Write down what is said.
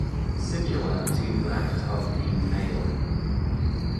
Similar to that of the male.